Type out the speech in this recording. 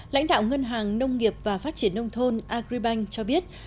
lãnh đạo ngân hàng nông nghiệp và phát triển nông thôn agribank cho biết